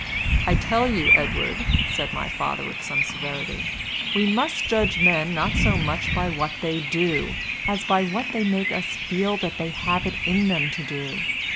"I tell you, Edward," said my father with some severity, "we must judge men not so much by what they do, as by what they make us feel that they have it in them to do.